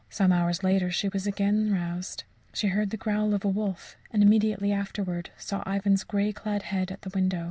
Some hours later she was again aroused. She heard the growl of a wolf and immediately afterwards saw Ivan's grey clad head at the window.